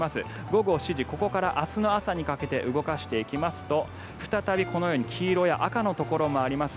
午後７時、ここから明日の朝にかけて動かしていきますと再び黄色や赤のところもあります。